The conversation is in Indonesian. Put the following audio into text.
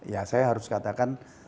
ya saya harus katakan